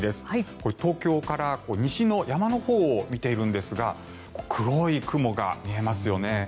これ、東京から、西の山のほうを見ているんですが黒い雲が見えますよね。